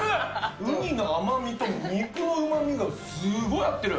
ウニの甘みと肉のうまみがすごい合ってる。